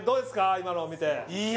今のを見ていや